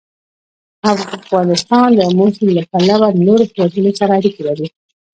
افغانستان د آمو سیند له پلوه له نورو هېوادونو سره اړیکې لري.